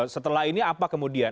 setelah ini apa kemudian